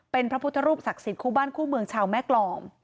เป็นพระพุทธรูปศักดิ์สิทธิคู่บ้านคู่เมืองชาวแม่กรอง